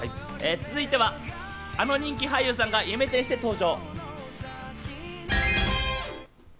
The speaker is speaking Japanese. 続いてはあの人気俳優さんがイメチェンして登場。